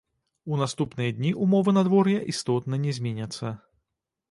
У наступныя дні ўмовы надвор'я істотна не зменяцца.